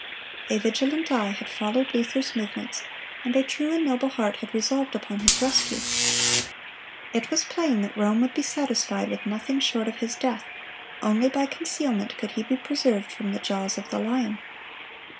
A vigilant eye had followed Luther's movements, and a true and noble heart had resolved upon his rescue. It was plain that Rome would be satisfied with nothing short of his death; only by concealment could he be preserved from the jaws of the lion.